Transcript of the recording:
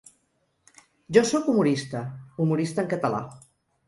Jo sóc humorista, humorista en català.